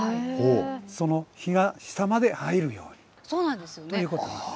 その日が下まで入るようにということなんです。